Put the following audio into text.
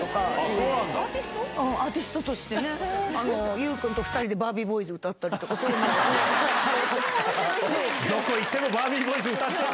アーティストとして、優君と２人でバービーボーイズ歌ったり、そういうなんか。